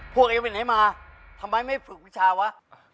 พวกเองไปไหนมาทำไมไม่ฝึกวิชาวะ